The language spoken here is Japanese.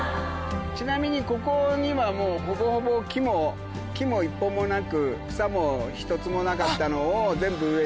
ちなみにここにはもうほぼほぼ木も１本もなく草も１つもなかったのを全部植え。